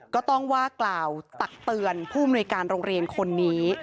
ก็ต้องว่ากล่าวตักเตือนผู้มนุยการโรงเรียนคนนี้